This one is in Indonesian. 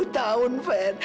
dua puluh tahun fen